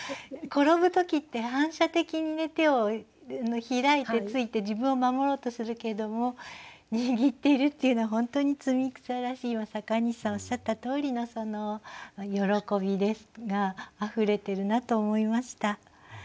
転ぶ時って反射的に手を開いてついて自分を守ろうとするけども握っているっていうのは本当に摘草らしい今阪西さんおっしゃったとおりのその喜びがあふれてるなと思いました。